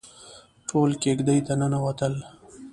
ټول کېږدۍ ته ننوتل.